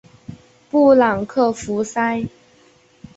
布朗克福塞。